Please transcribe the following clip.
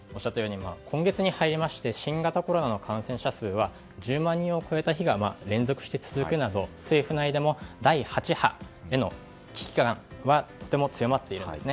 今月に入りまして新型コロナの感染者数は１０万人を超えた日が連続して続くなど政府内でも第８波への危機感がとても強まっているんです。